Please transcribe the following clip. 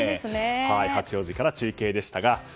八王子から中継でしたが。